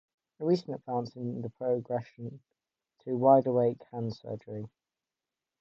A recent advance is the progression to 'wide awake hand surgery.